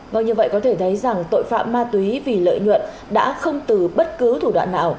vâng như vậy có thể thấy rằng tội phạm ma túy vì lợi nhuận đã không từ bất cứ thủ đoạn nào